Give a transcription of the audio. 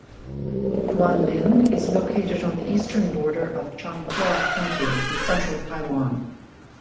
Yuanlin is located on the eastern border of Changhua County, in central Taiwan.